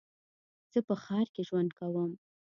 زه په ښار کې ژوند کوم.